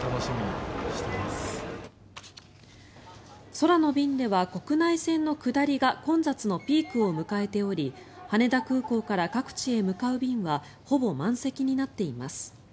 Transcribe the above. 空の便では国内線の下りが混雑のピークを迎えており羽田空港から各地へ向かう便はほぼ満席になっています。